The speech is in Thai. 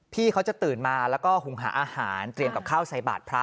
พี่เขาจะตื่นมาแล้วก็หุงหาอาหารเตรียมกับข้าวใส่บาทพระ